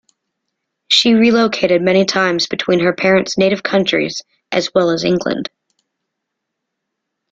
She relocated many times between her parents' native countries as well as England.